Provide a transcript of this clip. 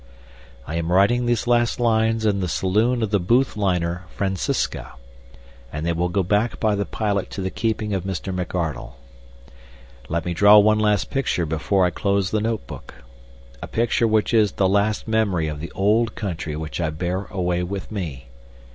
I am writing these last lines in the saloon of the Booth liner Francisca, and they will go back by the pilot to the keeping of Mr. McArdle. Let me draw one last picture before I close the notebook a picture which is the last memory of the old country which I bear away with me.